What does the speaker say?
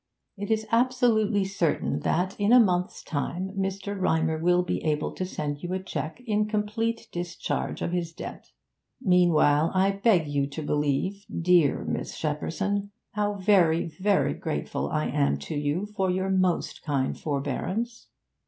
It is absolutely certain that, in a month's time, Mr. Rymer will be able to send you a cheque in complete discharge of his debt. Meanwhile, I beg you to believe, dear Miss Shepperson, how very, very grateful I am to you for your most kind forbearance.'